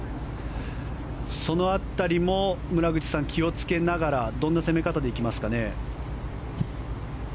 その辺りも村口さん、気を付けながらどんな攻め方で行きますかね。